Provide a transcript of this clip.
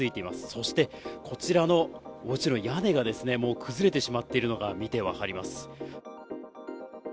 そして、こちらの屋根が崩れてしまっているのが見て分かります。